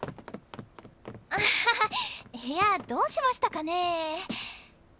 ははっ部屋どうしましたかね？